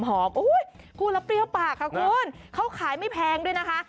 โอ้โหหูละเปรี้ยวปากนะครับคุณเค้าขายไม่แพงด้วยนะคะ